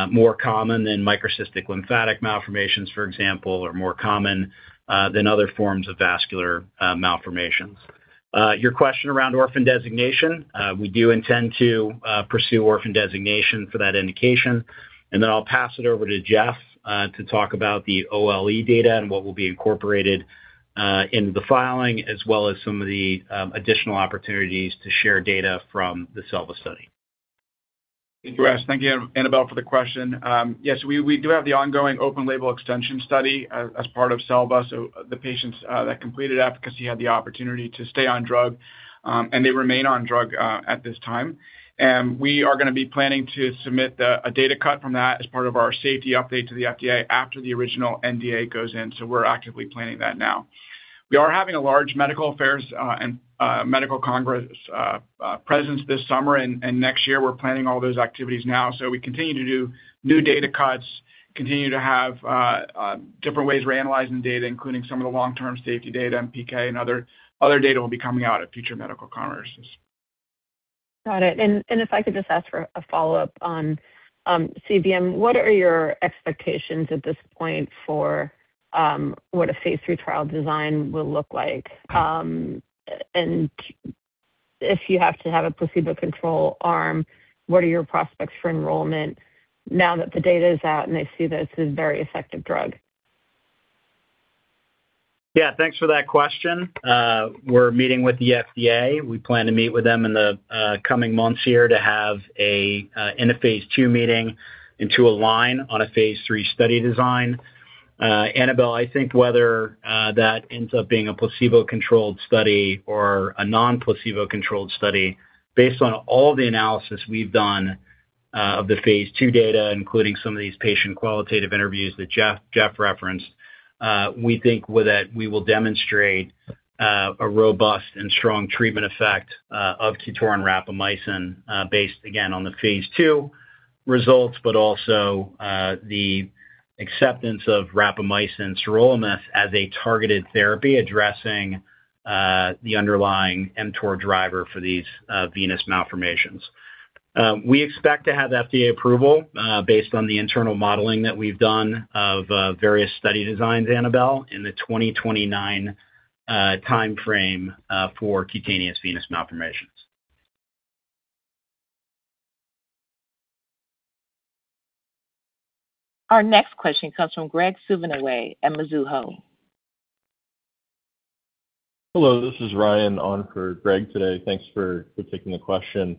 More common than microcystic lymphatic malformations, for example, or more common than other forms of vascular malformations. Your question around orphan designation, we do intend to pursue orphan designation for that indication. Then I'll pass it over to Jeff to talk about the OLE data and what will be incorporated in the filing, as well as some of the additional opportunities to share data from the SELVA study. Thank you, Wes. Thank you, Annabel, for the question. Yes, we do have the ongoing open label extension study as part of SELVA, so the patients that completed efficacy had the opportunity to stay on drug, and they remain on drug at this time. We are going to be planning to submit a data cut from that as part of our safety update to the FDA after the original NDA goes in, so we're actively planning that now. We are having a large medical affairs and medical congress presence this summer and next year. We're planning all those activities now. We continue to do new data cuts, continue to have different ways we're analyzing data, including some of the long-term safety data, PK, and other data will be coming out at future medical congresses. Got it. If I could just ask for a follow-up on cVM. What are your expectations at this point for what a phase III trial design will look like? If you have to have a placebo control arm, what are your prospects for enrollment now that the data is out and they see that this is a very effective drug? Yeah. Thanks for that question. We are meeting with the FDA. We plan to meet with them in the coming months here to have a phase II meeting and to align on a phase III study design. Annabel, I think whether that ends up being a placebo-controlled study or a non-placebo-controlled study, based on all the analysis we have done of the phase II data, including some of these patient qualitative interviews that Jeff referenced, we think that we will demonstrate a robust and strong treatment effect of QTORIN rapamycin based, again, on the phase II results, but also the acceptance of rapamycin sirolimus as a targeted therapy addressing the underlying mTOR driver for these venous malformations. We expect to have FDA approval based on the internal modeling that we have done of various study designs, Annabel, in the 2029 timeframe for cutaneous venous malformations. Our next question comes from Graig Suvannavejh at Mizuho. Hello, this is Ryan on for Graig today. Thanks for taking the question.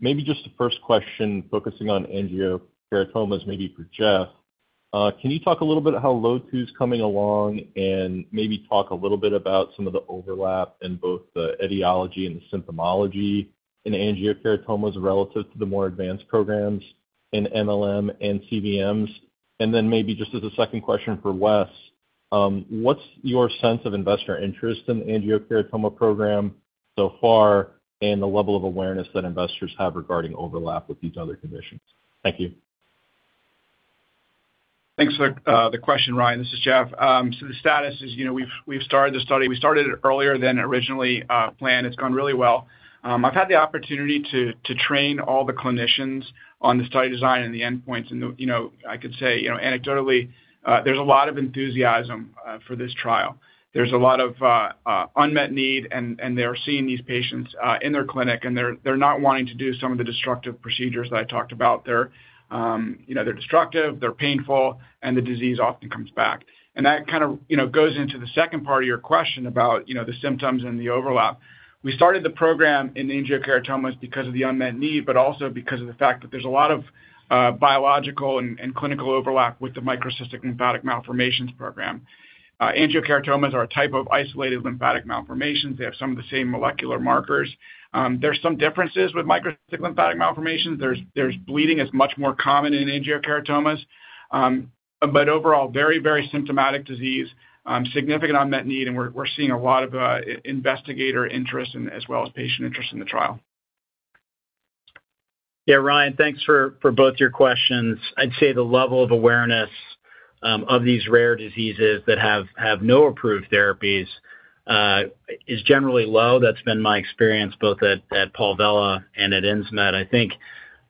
Maybe just the first question focusing on angiokeratomas, maybe for Jeff. Can you talk a little bit how LOTU is coming along, and maybe talk a little bit about some of the overlap in both the etiology and the symptomology in angiokeratomas relative to the more advanced programs in mLM and cVMs? Maybe just as a second question for Wes, what is your sense of investor interest in the angiokeratoma program so far and the level of awareness that investors have regarding overlap with these other conditions? Thank you. Thanks for the question, Ryan. This is Jeff. The status is we have started the study. We started it earlier than originally planned. It has gone really well. I have had the opportunity to train all the clinicians on the study design and the endpoints. I could say anecdotally, there is a lot of enthusiasm for this trial. There is a lot of unmet need, and they are seeing these patients in their clinic, and they are not wanting to do some of the destructive procedures that I talked about. They are destructive, they are painful, and the disease often comes back. That goes into the second part of your question about the symptoms and the overlap. We started the program in angiokeratomas because of the unmet need, but also because of the fact that there is a lot of biological and clinical overlap with the microcystic lymphatic malformations program. Angiokeratomas are a type of isolated lymphatic malformations. They have some of the same molecular markers. There's some differences with microcystic lymphatic malformations. There's bleeding is much more common in angiokeratomas. Overall, very symptomatic disease, significant unmet need, and we're seeing a lot of investigator interest as well as patient interest in the trial. Yeah, Ryan, thanks for both your questions. I'd say the level of awareness of these rare diseases that have no approved therapies is generally low. That's been my experience both at Palvella and at Insmed. I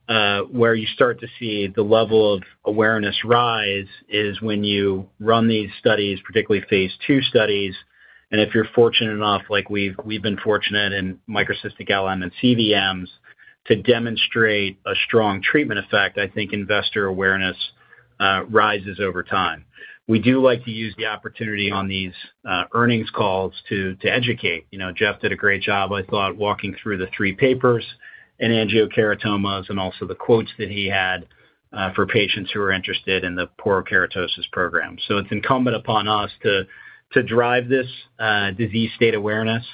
think where you start to see the level of awareness rise is when you run these studies, particularly phase II studies. If you're fortunate enough like we've been fortunate in microcystic LM and cVMs to demonstrate a strong treatment effect, I think investor awareness rises over time. We do like to use the opportunity on these earnings calls to educate. Jeff did a great job, I thought, walking through the three papers in angiokeratomas and also the quotes that he had for patients who are interested in the porokeratosis program. It's incumbent upon us to drive this disease state awareness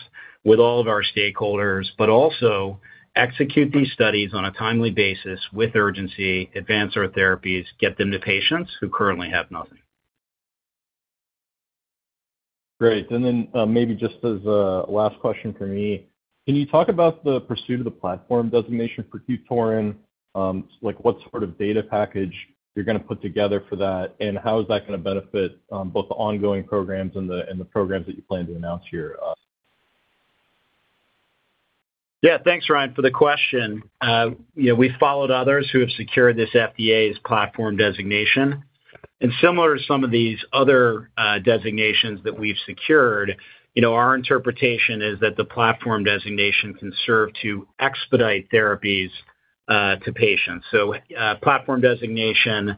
with all of our stakeholders, also execute these studies on a timely basis with urgency, advance our therapies, get them to patients who currently have nothing. Great. Then maybe just as a last question from me, can you talk about the pursuit of the platform designation for QTORIN? What sort of data package you're going to put together for that, and how is that going to benefit both the ongoing programs and the programs that you plan to announce here? Thanks, Ryan, for the question. We followed others who have secured this FDA's platform designation. Similar to some of these other designations that we've secured, our interpretation is that the platform designation can serve to expedite therapies to patients. Platform designation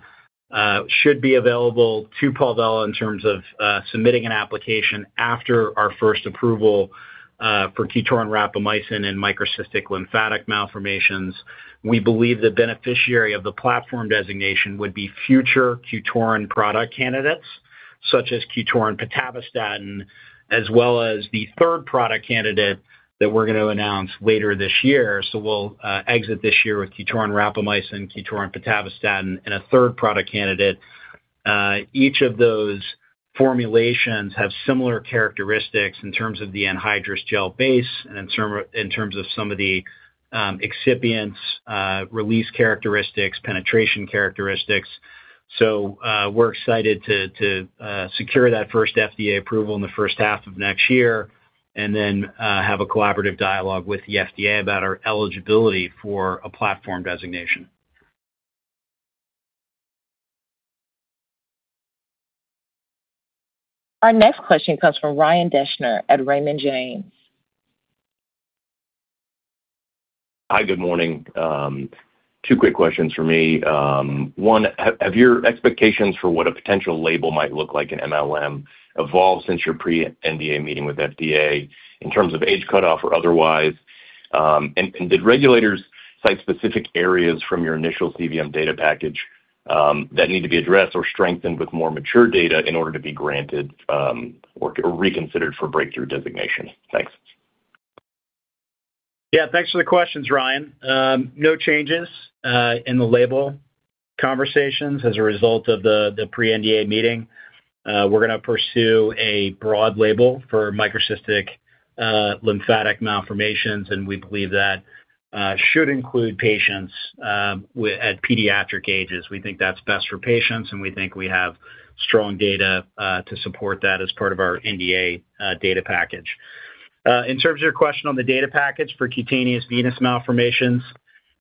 should be available to Palvella in terms of submitting an application after our first approval for QTORIN rapamycin in microcystic lymphatic malformations. We believe the beneficiary of the platform designation would be future QTORIN product candidates, such as QTORIN pitavastatin, as well as the third product candidate that we're going to announce later this year. We'll exit this year with QTORIN rapamycin, QTORIN pitavastatin, and a third product candidate. Each of those formulations have similar characteristics in terms of the anhydrous gel base and in terms of some of the excipients release characteristics, penetration characteristics. We're excited to secure that first FDA approval in the first half of next year and then have a collaborative dialogue with the FDA about our eligibility for a platform designation. Our next question comes from Ryan Deschner at Raymond James. Hi. Good morning. Two quick questions from me. One, have your expectations for what a potential label might look like in mLM evolved since your pre-NDA meeting with FDA in terms of age cutoff or otherwise? Did regulators cite specific areas from your initial cVM data package that need to be addressed or strengthened with more mature data in order to be granted or reconsidered for breakthrough designation? Thanks. Thanks for the questions, Ryan. No changes in the label conversations as a result of the pre-NDA meeting. We're going to pursue a broad label for microcystic lymphatic malformations, and we believe that should include patients at pediatric ages. We think that's best for patients, and we think we have strong data to support that as part of our NDA data package. In terms of your question on the data package for cutaneous venous malformations,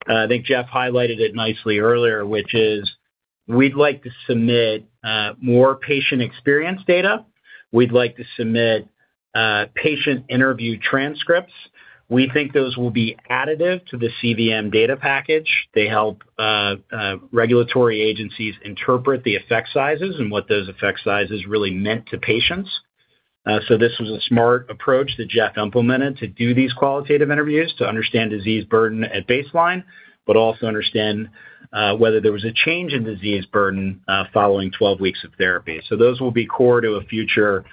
I think Jeff highlighted it nicely earlier, which is we'd like to submit more patient experience data. We'd like to submit patient interview transcripts. We think those will be additive to the cVM data package. They help regulatory agencies interpret the effect sizes and what those effect sizes really meant to patients. This was a smart approach that Jeff implemented to do these qualitative interviews to understand disease burden at baseline, but also understand whether there was a change in disease burden following 12 weeks of therapy. Those will be core to a future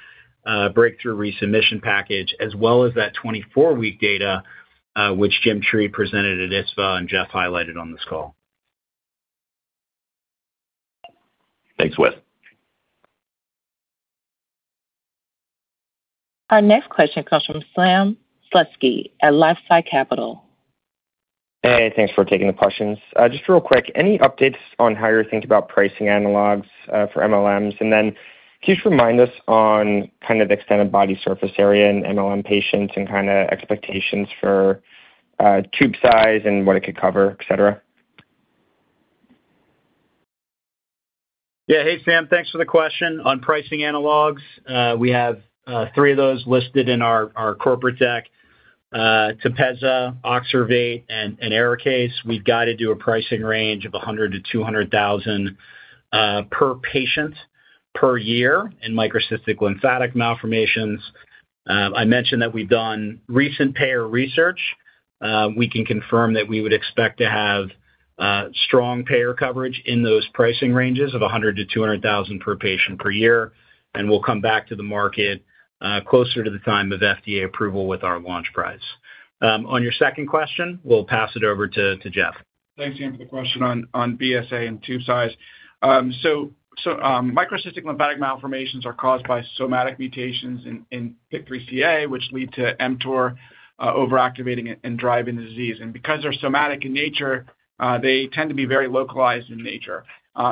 breakthrough resubmission package, as well as that 24-week data, which Jim Treat presented at ISSVA and Jeff highlighted on this call. Thanks, Wes. Our next question comes from Sam Slutsky at LifeSci Capital. Hey, thanks for taking the questions. Just real quick, any updates on how you're thinking about pricing analogs for mLMs? Can you just remind us on kind of extended body surface area in mLM patients and expectations for tube size and what it could cover, etc? Yeah. Hey, Sam. Thanks for the question. On pricing analogs, we have three of those listed in our corporate deck. TEPEZZA, OXERVATE, and ARIKAYCE, we've guided to a pricing range of $100,000-$200,000 per patient per year in microcystic lymphatic malformations. I mentioned that we've done recent payer research. We can confirm that we would expect to have strong payer coverage in those pricing ranges of $100,000-$200,000 per patient per year, and we'll come back to the market closer to the time of FDA approval with our launch price. On your second question, we'll pass it over to Jeff. Thanks, Sam, for the question on BSA and tube size. Microcystic lymphatic malformations are caused by somatic mutations in PIK3CA, which lead to mTOR over-activating it and driving the disease. Because they're somatic in nature, they tend to be very localized in nature,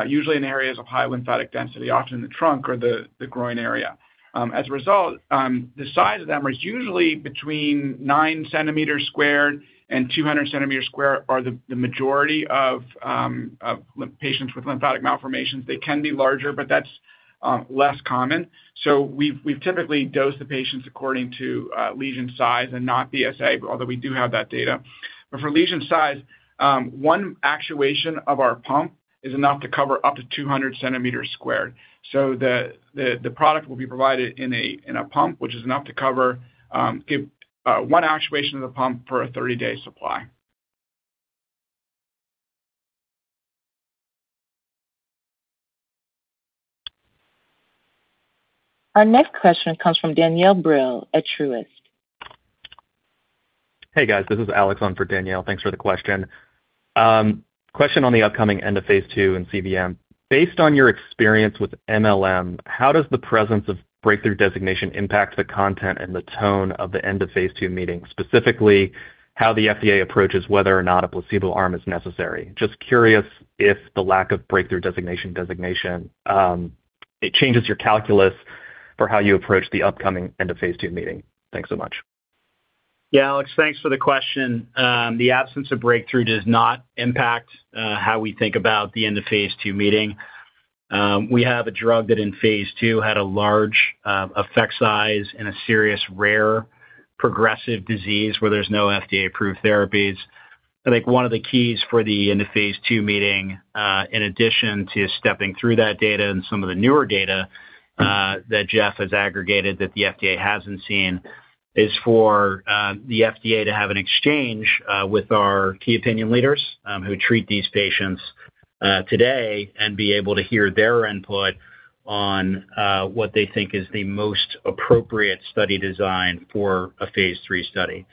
usually in areas of high lymphatic density, often in the trunk or the groin area. As a result, the size of them is usually between 9 cm squared and 200 cm squared are the majority of patients with lymphatic malformations. They can be larger, but that's less common. We've typically dosed the patients according to lesion size and not BSA, although we do have that data. For lesion size, one actuation of our pump is enough to cover up to 200 cm squared. The product will be provided in a pump, which is enough to cover one actuation of the pump for a 30-day supply. Our next question comes from Danielle Brill at Truist. Hey, guys, this is Alex on for Danielle. Thanks for the question. Question on the upcoming end of phase II in cVM. Based on your experience with mLM, how does the presence of Breakthrough Therapy Designation impact the content and the tone of the end of phase II meeting, specifically how the FDA approaches whether or not a placebo arm is necessary? Just curious if the lack of Breakthrough Therapy Designation changes your calculus for how you approach the upcoming end of phase II meeting. Thanks so much. Yeah, Alex, thanks for the question. The absence of Breakthrough does not impact how we think about the end of phase II meeting. We have a drug that in phase II had a large effect size in a serious rare progressive disease where there's no FDA-approved therapies. I think one of the keys for the end of phase II meeting, in addition to stepping through that data and some of the newer data that Jeff has aggregated that the FDA hasn't seen, is for the FDA to have an exchange with our key opinion leaders who treat these patients today and be able to hear their input on what they think is the most appropriate study design for a phase III study.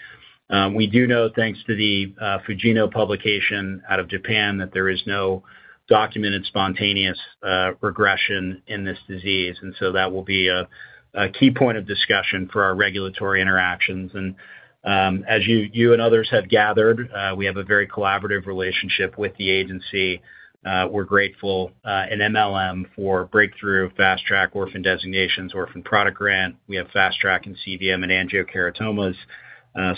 We do know, thanks to the Akihiro publication out of Japan, that there is no documented spontaneous regression in this disease, that will be a key point of discussion for our regulatory interactions. As you and others have gathered, we have a very collaborative relationship with the agency. We're grateful in mLM for Breakthrough, Fast Track, Orphan designations, Orphan Product Grant. We have Fast Track in cVM and angiokeratomas.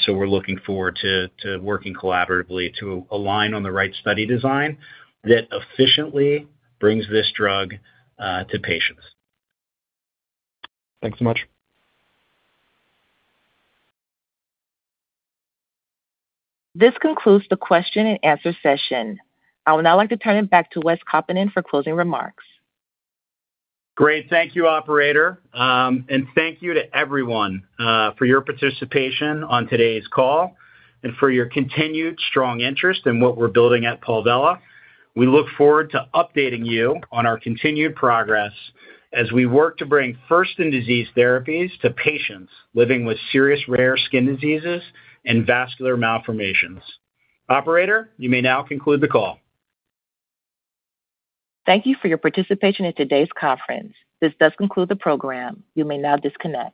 We're looking forward to working collaboratively to align on the right study design that efficiently brings this drug to patients. Thanks so much. This concludes the question and answer session. I would now like to turn it back to Wes Kaupinen for closing remarks. Great. Thank you, operator. Thank you to everyone for your participation on today's call and for your continued strong interest in what we're building at Palvella. We look forward to updating you on our continued progress as we work to bring first-in-disease therapies to patients living with serious rare skin diseases and vascular malformations. Operator, you may now conclude the call. Thank you for your participation in today's conference. This does conclude the program. You may now disconnect.